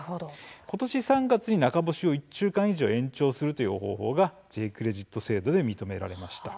今年３月に中干しを１週間以上延長するという方法がＪ−クレジット制度で認められました。